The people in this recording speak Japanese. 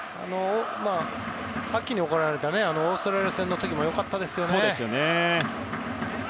秋に行われたオーストラリア戦の時も良かったですよね。